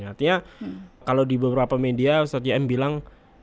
artinya kalau di beberapa media ustadz yem bilang